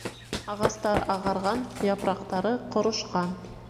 Ағастар ағарған, япраҡтары ҡорошҡан.